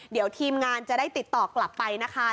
เดี๋ยวทีมงานจะได้ติดต่อกลับไปนะคะ